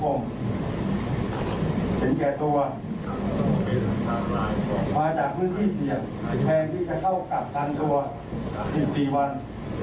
เป็นแก่ตัวมาจากพื้นที่เสี่ยงแทนที่จะเข้ากักกันตัว๑๔วัน